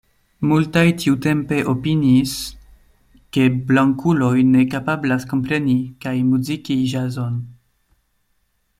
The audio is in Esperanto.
Multaj tiutempe opiniis, ke blankuloj ne kapablas kompreni kaj muziki ĵazon.